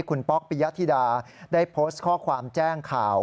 คุณป๊อกปิยธิดาได้โพสต์ข้อความแจ้งข่าว